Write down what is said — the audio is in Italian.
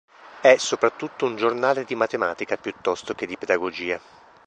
È soprattutto un giornale di matematica piuttosto che di pedagogia.